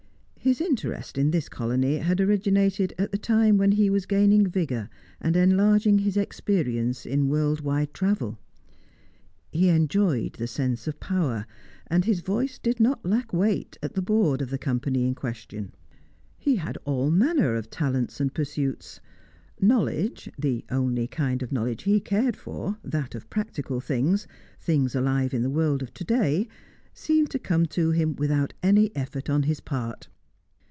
His interest in this colony had originated at the time when he was gaining vigour and enlarging his experience in world wide travel; he enjoyed the sense of power, and his voice did not lack weight at the Board of the Company in question. He had all manner of talents and pursuits. Knowledge the only kind of knowledge he cared for, that of practical things, things alive in the world of to day seemed to come to him without any effort on his part.